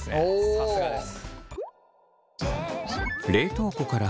さすがです。